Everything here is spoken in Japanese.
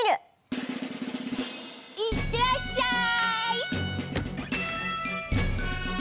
いってらっしゃい！